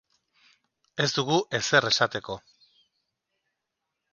Ez dugu ezer esateko.